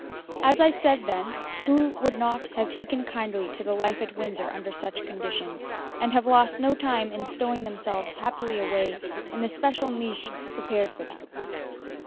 As I said, then, who would not have taken kindly to the life at Windsor under such conditions, and have lost no time in stowing themselves happily away in the special niche prepared for them?